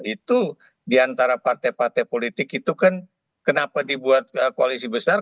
itu diantara partai partai politik itu kan kenapa dibuat koalisi besar